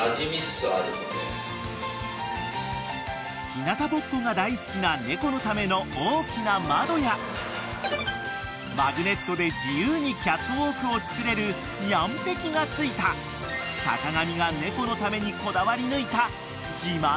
［日なたぼっこが大好きな猫のための大きな窓やマグネットで自由にキャットウォークを作れるにゃん壁がついた坂上が猫のためにこだわり抜いた自慢の一部屋］